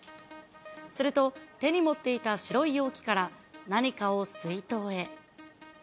すると、手に持っていた白い容器から、何かを水筒へ。